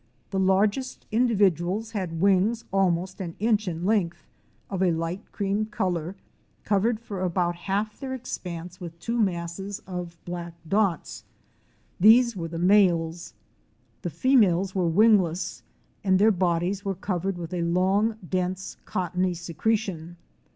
The largest individuals had wings almost an inch in length of a light cream color, covered for about half GEORGETOWN. 133 their expanse with two masses of black dots. These were the males. The females were wingless and their bodies were covered with a long dense cottony secretion.